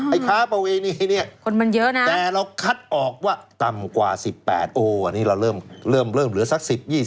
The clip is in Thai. ไอ้ค้าปวีนีเนี่ยแต่เราคัดออกว่าต่ำกว่า๑๘นี่เราเริ่มเหลือสัก๑๐๒๐